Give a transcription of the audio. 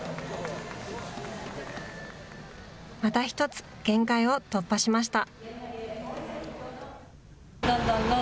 また一つ限界を突破しました。